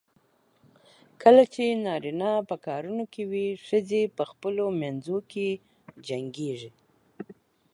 کله چې نارینه په کارونو کې وي، ښځې په خپلو منځو کې جنګېږي.